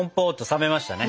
冷めましたね。